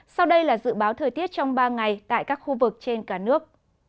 sau đây là dự báo thời tiết trong ba ngày tại các khu vực trên cả nước